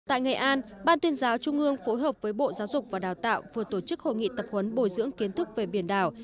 tại nghệ an ban tuyên giáo trung ương phối hợp với bộ giáo dục và đào tạo vừa tổ chức hội nghị tập huấn bồi dưỡng kiến thức về biển đảo